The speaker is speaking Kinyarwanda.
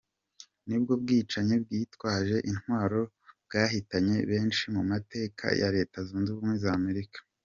Nibwo bwicanyi bwitwaje intwaro bwahitanye benshi mu mateka ya Leta Zunze Ubumwe za Amerika.